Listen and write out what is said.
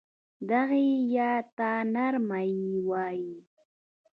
دغې ی ته نرمه یې وايي.